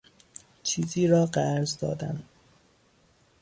چیزی را قرض دادن